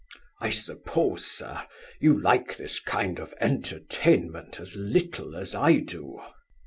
I suppose, Sir, you like this kind of entertainment as little as I do?